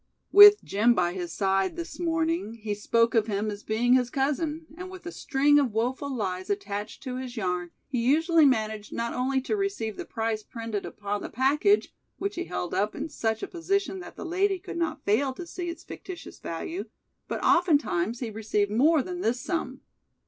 With Jim by his side this morning he spoke of him as being his cousin, and with a string of woeful lies attached to his yarn he usually managed not only to receive the price printed upon the package, which he held up in such a position that the lady could not fail to see its fictitious value, but oftentimes he received more than this sum.